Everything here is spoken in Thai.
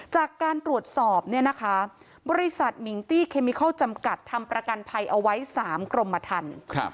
จากการตรวจสอบบริษัทมิงตี้เคมิเคราะห์จำกัดทำประกันภัยเอาไว้๓กรมทัน